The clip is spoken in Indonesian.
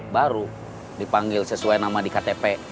baru dipanggil sesuai nama di ktp